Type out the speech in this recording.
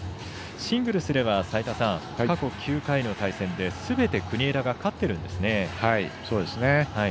シングルスでは過去９回の対戦ですべて国枝が勝っているんですね。